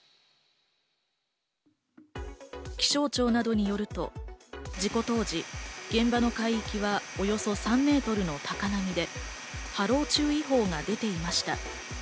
気象庁などによると、事故当時、現場の海域はおよそ３メートルの高波で波浪注意報が出ていました。